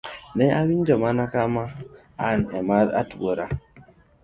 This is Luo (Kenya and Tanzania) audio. Ne awinjo mana kama an ema ne atwora.